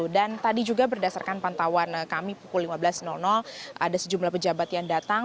tadi juga berdasarkan pantauan kami pukul lima belas ada sejumlah pejabat yang datang